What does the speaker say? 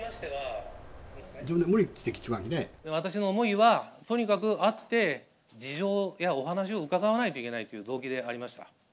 私の思いはとにかく会って、事情やお話を伺わないといけないという動機でありました。